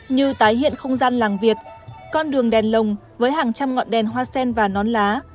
như tái hiện không gian làng việt con đường đèn lồng với hàng trăm ngọn đèn hoa sen và nón lá